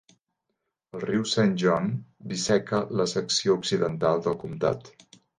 El riu Saint John biseca la secció occidental del comtat.